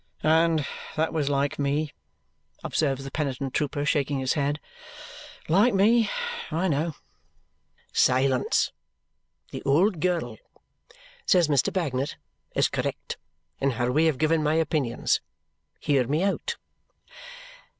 "And that was like me!" observes the penitent trooper, shaking his head. "Like me, I know." "Silence! The old girl," says Mr. Bagnet, "is correct in her way of giving my opinions hear me out!"